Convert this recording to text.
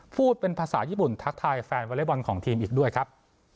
พูดเป็นภาษาญี่ปุ่นทักทายแฟนวอเล็กบอลของทีมอีกด้วยครับ